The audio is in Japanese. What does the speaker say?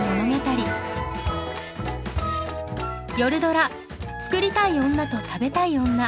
夜ドラ「作りたい女と食べたい女」。